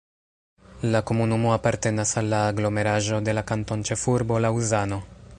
La komunumo apartenas al la aglomeraĵo de la kantonĉefurbo Laŭzano.